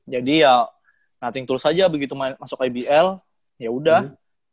jadi ya nothing tool saja begitu masuk ibl yaudah